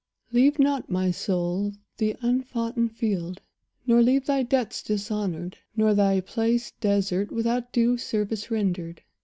Leave not, my soul, the unfoughten field, nor leave Thy debts dishonoured, nor thy place desert Without due service rendered.